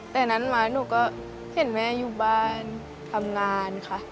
แต่นั้นมาหนูก็เห็นแม่อยู่บ้านทำงานค่ะ